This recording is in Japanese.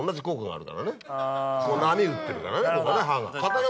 波打ってるからね